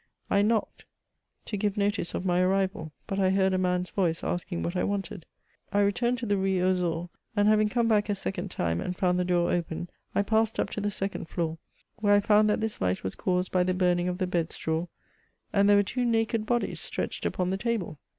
I knocked, to give notice of my arrival, but I heard a man's voice asking what I wanted. I returned to the Rue aux Ours, and, having come back a second time, and foimd the door open, I passed up to the second fl6or, where I found that this Hght was caused by the burning of the bed straw, and there were two naked bodies stretched upon the table.